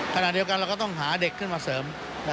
ขณะเดียวกันเราก็ต้องหาเด็กขึ้นมาเสริม